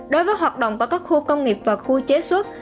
đối với hoạt động của các khu công nghiệp và khu chế xuất